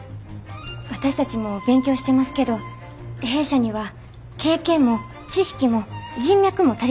私たちも勉強してますけど弊社には経験も知識も人脈も足りてません。